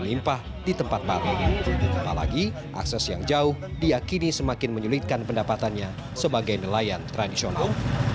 apalagi akses yang jauh diakini semakin menyulitkan pendapatannya sebagai nelayan tradisional